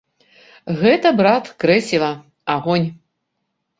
Гэта, брат, крэсіва, агонь!